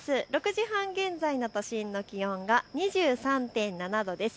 ６時半現在の都心の気温が２３．７度です。